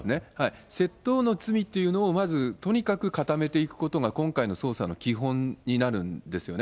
窃盗の罪というのをまず、とにかく固めていくことが、今回の捜査の基本になるんですよね。